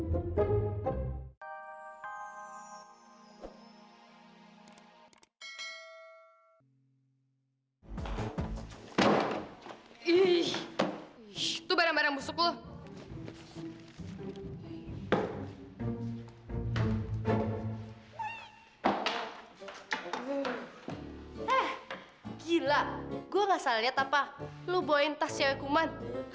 gue gak salah liat apa lo bawain tas cewek kuman